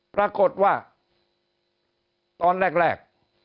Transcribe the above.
ปรากฏว่าตอนแรก